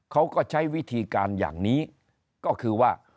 เขาก็ใช้วิธีการอย่างนี้ก็คือว่า